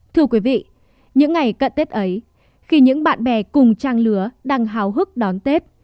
thưa quý vị những ngày cận tết ấy khi những bạn bè cùng trang lứa đang hào hức đón tết